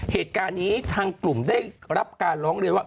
เหตุการณ์นี้ทางกลุ่มได้รับการร้องเรียนว่า